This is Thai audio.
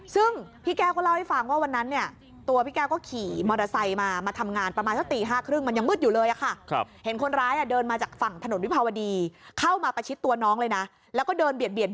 ซึ่งพี่แก้วก็เล่าให้ฟังว่าวันนั้นเนี่ย